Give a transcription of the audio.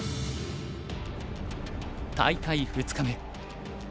大会２日目。